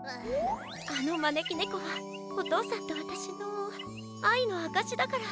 あのまねきねこはおとうさんとわたしのあいのあかしだから。